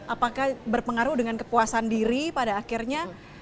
apakah berpengaruh dengan kepuasan diri pada akhirnya